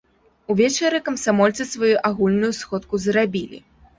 Увечары камсамольцы сваю агульную сходку зрабілі.